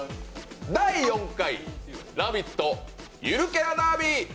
第４回ラヴィットゆるキャラダービー。